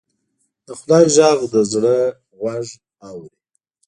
د خدای غږ د زړه غوږ اوري